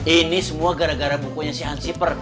ini semua gara gara bukunya si hansiper